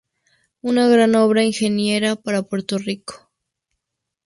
Una gran obra ingeniera para Puerto Rico